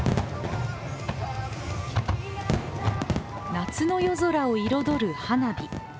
夏の夜空を彩る花火。